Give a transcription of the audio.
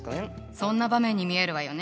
そんな場面に見えるわよね。